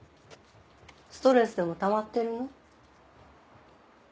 ストレスでもたまってるの？